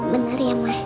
bener ya ma